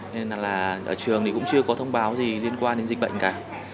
nên là nhà trường thì cũng chưa có thông báo gì liên quan đến dịch bệnh cả